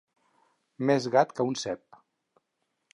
Més gat que un cep.